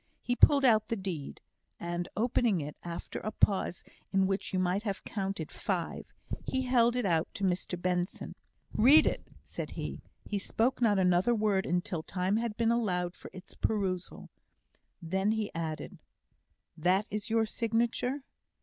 He pulled out the deed; and opening it, after a pause, in which you might have counted five, he held it out to Mr Benson. "Read it!" said he. He spoke not another word until time had been allowed for its perusal. Then he added: "That is your signature?"